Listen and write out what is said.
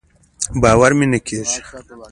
باور مې نۀ کېږي.